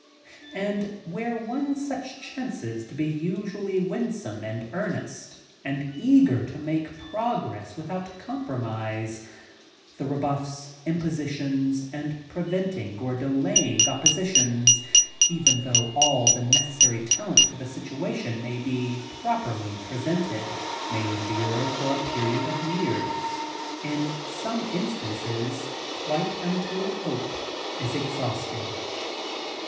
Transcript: And, where one such chances to be usually winsome and earnest, and eager to make progress without compromise, the rebuffs, impositions and preventing or delaying oppositions, even though all the necessary talent for the situation may be properly presented, may endure for a period of years, in some instances quite until hope is exhausted.